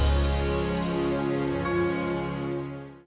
indonesia terus dekat ini